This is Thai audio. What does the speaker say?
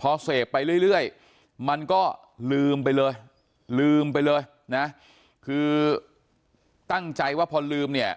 พอเสพไปเรื่อยมันก็ลืมไปเลยลืมไปเลยนะคือตั้งใจว่าพอลืมเนี่ย